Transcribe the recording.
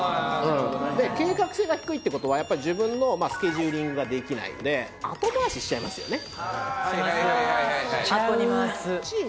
計画性が低いってことはやっぱ自分のスケジューリングができないので後回ししちゃいますよね